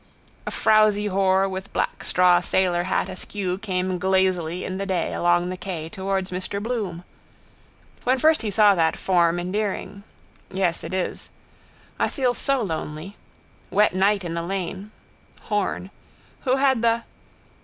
A frowsy whore with black straw sailor hat askew came glazily in the day along the quay towards Mr Bloom. When first he saw that form endearing? Yes, it is. I feel so lonely. Wet night in the lane. Horn. Who had the?